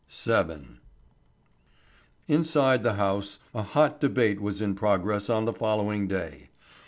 VII. Inside the House a hot debate was in progress on the following day.